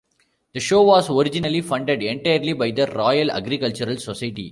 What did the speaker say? The show was originally funded entirely by the Royal Agricultural Society.